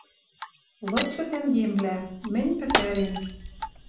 Лыдшы тӓнгемвлӓ, мӹнь пӹтӓрен.